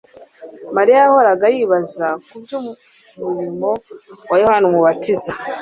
Mariya yahoraga yibaza kuby’umurimo wa Yohana Umubatiza.